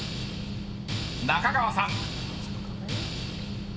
［中川さん］